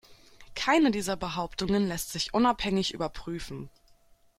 Keine dieser Behauptungen lässt sich unabhängig überprüfen.